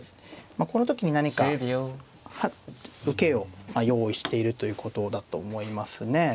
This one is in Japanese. この時に何か受けを用意しているということだと思いますね。